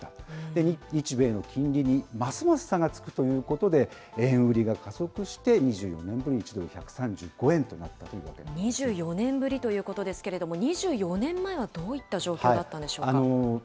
で、日米の金利にますます差がつくということで、円売りが加速して、２４年ぶりに１ドル１３５円となったというわけな２４年ぶりということですけれども、２４年前はどういった状況だったんでしょうか。